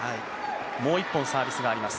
もう１本サービスがあります